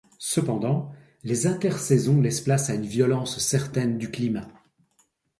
Cependant, les inter saisons laissent place à une violence certaine du climat.